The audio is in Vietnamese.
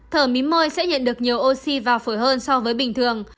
thở mí môi sẽ nhận được nhiều oxy và phổi hơn so với bình thường